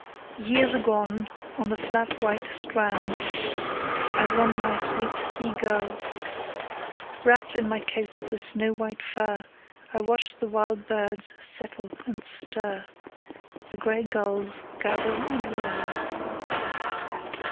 Years agone, on the flat white strand, I won my sweet sea girl: Wrapped in my coat of the snow white fur, I watched the wild birds settle and stir, The grey gulls gather and whirl.